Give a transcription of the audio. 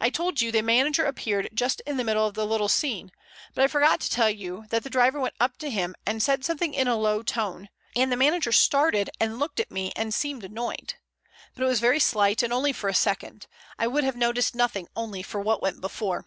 I told you the manager appeared just in the middle of the little scene, but I forgot to tell you that the driver went up to him and said something in a low tone, and the manager started and looked at me and seemed annoyed. But it was very slight and only for a second; I would have noticed nothing only for what went before.